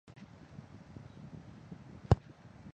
齐森命贪污的警长带消息回去给柏格。